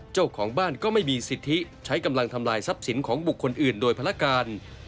เจ้าของบ้านก็ไม่มีสิทธิใช้กำลังทำลายทรัพย์สินของบุคคลอื่นโดยภารการ